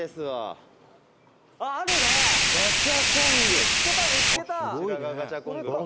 「見付けた見付けた！」